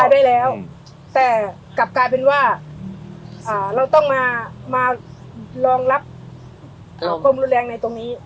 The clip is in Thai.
ได้แล้วแต่กลับกลายเป็นว่าเราต้องมารองรับความรุนแรงในตรงนี้